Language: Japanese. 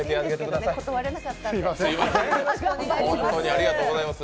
ありがとうございます！